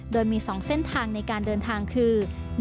โดยมี๒เส้นทางในการเดินทางคือ